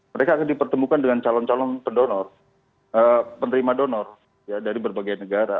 mereka akan dipertemukan dengan calon calon pendonor penerima donor dari berbagai negara